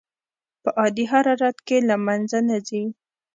په عادي حرارت کې له منځه نه ځي.